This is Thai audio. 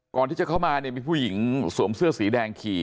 ก่อนที่จะเข้ามาเนี่ยมีผู้หญิงสวมเสื้อสีแดงขี่